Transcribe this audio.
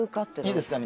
いいですか？